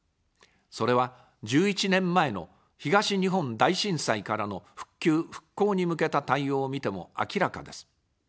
それは、１１年前の東日本大震災からの復旧・復興に向けた対応を見ても明らかです。